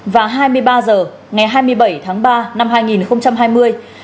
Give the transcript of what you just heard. và hai mươi ba h ngày hai mươi bảy tháng ba năm hai nghìn hai mươi